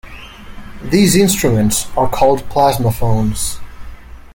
These instruments are called plasmaphones.